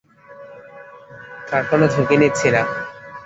আর কোনো ঝুঁকি নিচ্ছি না।